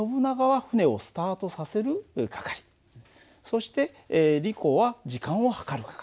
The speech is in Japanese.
そしてリコは時間を測る係。